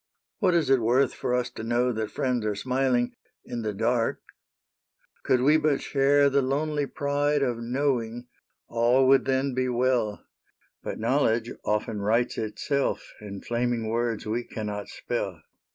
What is it worth for us to know That friends are smiling in the dark ?" Could we but share the lonely pride Of knowing, all would then be well ; But knowledge often writes itself In flaming words we cannot spell.